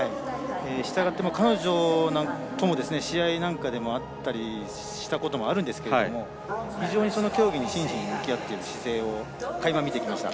したがって彼女とも試合なんかでも会ったことあるんですが非常にその競技に真摯に向き合ってる姿勢をかいま見てきました。